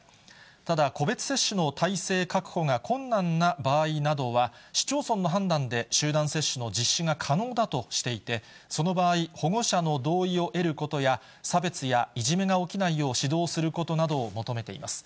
ただ、個別接種の体制確保が困難な場合などは、市町村の判断で、集団接種の実施が可能だとしていて、その場合、保護者の同意を得ることや、差別やいじめが起きないよう指導することなどを求めています。